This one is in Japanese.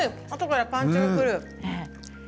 あとからパンチがくる。